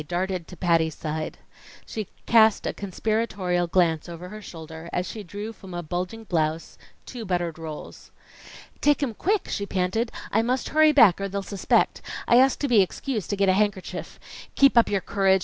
darted to Patty's side. She cast a conspiratorial glance over her shoulder as she drew from a bulging blouse two buttered rolls. "Take 'em quick!" she panted. "I must hurry back, or they'll suspect. I asked to be excused to get a handkerchief. Keep up your courage.